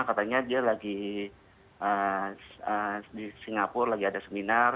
katanya dia lagi di singapura lagi ada seminar